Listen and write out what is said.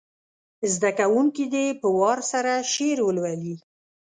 زده کوونکي دې په وار سره شعر ولولي.